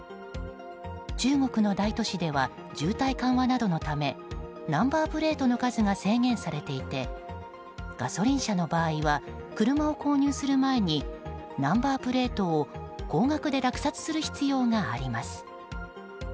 中国の大都市では渋滞緩和などのためナンバープレートの数が制限されていてガソリン車の場合は車を購入する前にナンバープレートを高額で落札する必要があります。